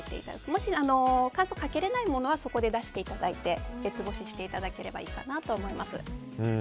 もし、乾燥をかけられないものはそこで出していただいて別干ししていただければいいかなと思います。